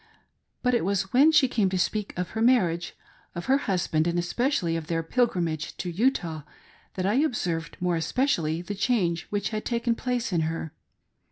But it was when she came to speak of her marriage, of her husband, arid especially of their pilgrimage to Utah that I observed more especially the change which had taken place in her.